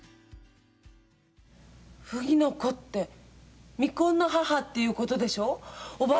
ふぎの子って、未婚の母っていうことでしょ。